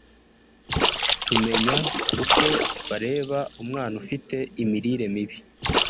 tumenya uko bareba umwana ufite imirire mibi